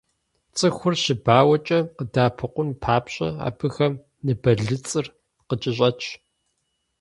Цӏыхур щыбауэкӏэ къыдэӏэпыкъун папщӏэ, абыхэм ныбэлыцӏыр къыкӏэщӏэтщ.